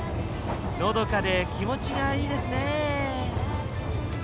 のどかで気持ちがいいですね。